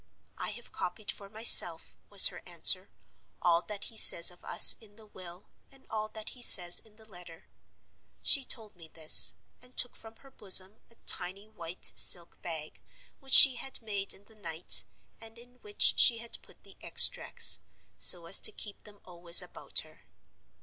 'I have copied for myself,' was her answer, 'all that he says of us in the will, and all that he says in the letter.' She told me this, and took from her bosom a tiny white silk bag, which she had made in the night, and in which she had put the extracts, so as to keep them always about her.